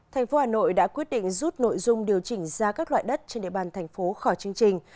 thành phố hà nội đã quyết định rút nội dung điều chỉnh ra các loại đất trên địa bàn thành phố khỏi chương trình